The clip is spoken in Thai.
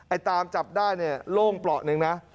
ไอ้ตามจับได้โล่งปลอดหนึ่งนะ